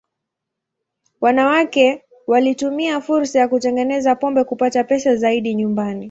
Wanawake walitumia fursa ya kutengeneza pombe kupata pesa zaidi nyumbani.